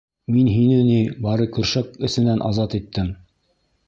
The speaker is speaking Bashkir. Мин һине ни бары көршәк эсенән азат иттем.